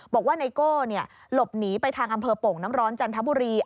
ไนโก้หลบหนีไปทางอำเภอโป่งน้ำร้อนจันทบุรี